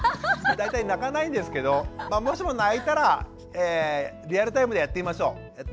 大体泣かないんですけどもしも泣いたらリアルタイムでやってみましょう。